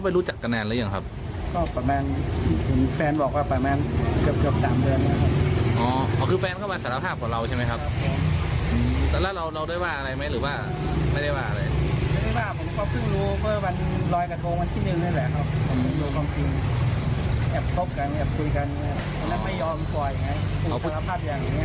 ไม่ยอมปล่อยไงขู่สารภาพอย่างนี้อะครับ